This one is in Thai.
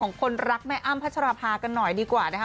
คนรักแม่อ้ำพัชรภากันหน่อยดีกว่านะคะ